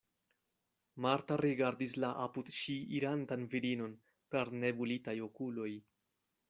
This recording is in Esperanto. Marta rigardis la apud ŝi irantan virinon per nebulitaj okuloj.